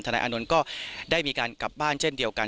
นายอานนท์ก็ได้มีการกลับบ้านเช่นเดียวกัน